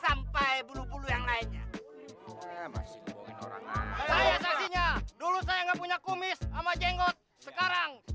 sampai bulu bulu yang lainnya masih kebawahnya dulu saya enggak punya kumis sama jenggot sekarang